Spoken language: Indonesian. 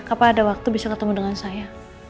apa ada waktu bisa ketemu dengan saya